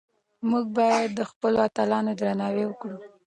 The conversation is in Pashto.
موږ باید د خپلو اتلانو درناوی وکړو.